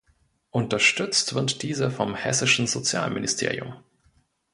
Unterstützt wird diese vom Hessischen Sozialministerium.